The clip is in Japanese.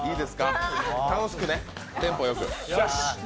楽しくね、テンポよく。